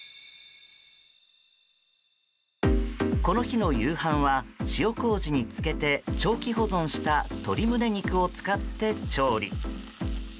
この日の夕飯は塩麹に漬けて長期保存した鶏胸肉を使って調理。